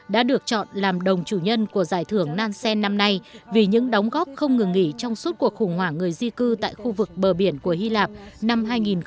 đã được chọn làm đồng chủ nhân của giải thưởng nansen năm nay vì những đóng góp không ngừng nghỉ trong suốt cuộc khủng hoảng người di cư tại khu vực bờ biển của hy lạp năm hai nghìn một mươi